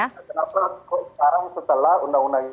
kenapa kok sekarang setelah undang undang